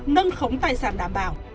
nâng khống tài sản đảm bảo